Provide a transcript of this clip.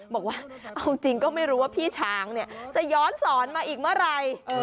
บอกว่าเอาจริงก็ไม่รู้ว่าพี่ช้างเนี่ยจะย้อนสอนมาอีกเมื่อไหร่